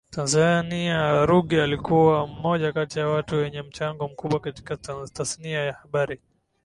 Tanzania Ruge alikua moja kati ya watu wenye mchango mkubwa katika tasnia ya habari